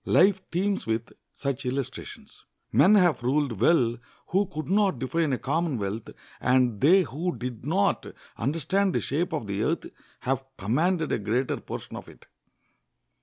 Life teems with such illustrations. Men have ruled well who could not define a commonwealth; and they who did not understand the shape of the earth have commanded a greater portion of it.